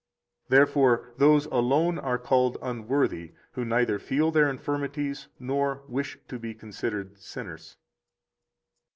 Therefore those alone are called unworthy who neither feel their infirmities nor wish to be considered sinners.